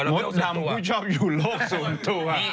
มดดำผู้ชอบอยู่โลกส่วนตัว